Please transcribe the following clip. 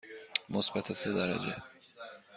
مثبت سه درجه.